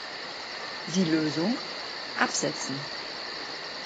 Die Lösung: Absetzen.